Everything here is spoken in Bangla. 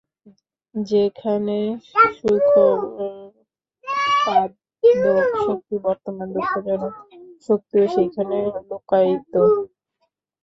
যেখানে সুখোৎপাদক শক্তি বর্তমান, দুঃখজনক শক্তিও সেইখানে লুক্কায়িত।